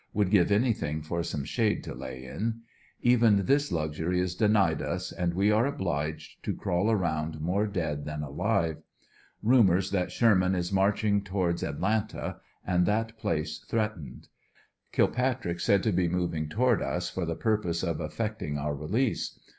Would give anything for some shade to lay in. Even this luxury is denied us, and we are obliged 5 8 ANDEB80NYILLE DIAR F. to crawl around more dead than alive. Rumors that Sherman is marching towards Atlanta, and that place threatened. Kilpatrick said to be moving toward us for the purpose of effecting our release.